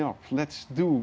mari kita lakukan